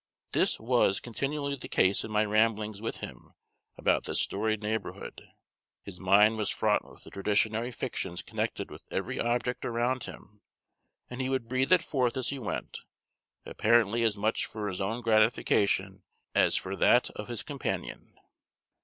This was continually the case in my ramblings with him about this storied neighborhood. His mind was fraught with the traditionary fictions connected with every object around him, and he would breathe it forth as he went, apparently as much for his own gratification as for that of his companion.